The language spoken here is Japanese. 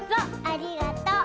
ありがとう。